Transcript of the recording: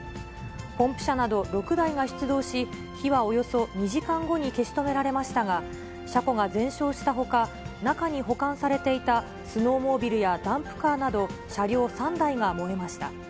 ポンプ車など６台が出動し、火はおよそ２時間後に消し止められましたが、車庫が全焼したほか、中に保管されていたスノーモービルやダンプカーなど車両３台が燃えました。